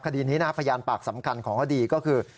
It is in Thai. คดีนี้นะพยานปากสำคัญของคดีก็คือ